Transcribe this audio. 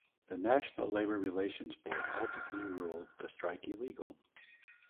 The National Labor Relations Board ultimately ruled the strike illegal.